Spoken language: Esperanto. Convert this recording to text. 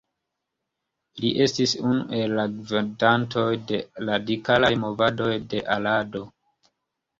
Li estis unu el la gvidantoj de la radikalaj movadoj de Arado.